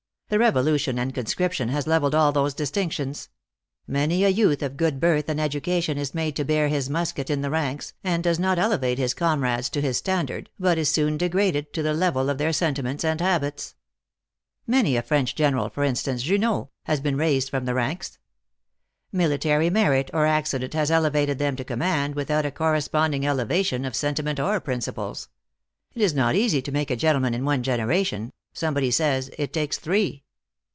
The revolution and conscription has leveled all those distinctions. Many a youth of good birth and education is made to bear his musket in the ranks, and does not elevate his comrades to his standard, but is soon degraded to the level of their sentiments and habits. Many a French general, for instance Junot, 8 178 THE ACTRESS IN HIGH LIFE. has been raised from the ranks. Military merit or accident has elevated them to command without a cor responding elevation of sentiment or principles. It is not easy to make a gentleman in one generation : somebody says, it takes three."